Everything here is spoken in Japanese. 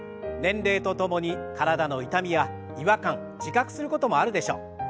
年齢とともに体の痛みや違和感自覚することもあるでしょう。